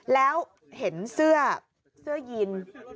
แล้วเห็นเสื้อยิน